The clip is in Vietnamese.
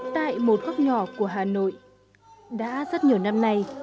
tại một góc nhỏ của hà nội đã rất nhiều năm nay